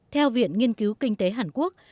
theo viện nghiên cứu kinh tế hàn quốc